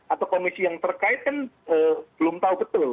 atau komisi yang terkait kan belum tahu betul